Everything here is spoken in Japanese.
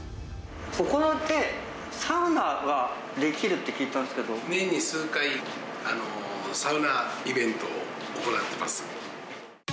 ここってサウナができるって年に数回、サウナイベントを行ってます。